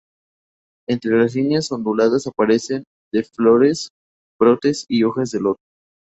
Entre las líneas onduladas aparecen de flores, brotes y hojas de loto.